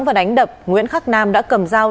và đánh đập nguyễn khắc nam đã cầm dao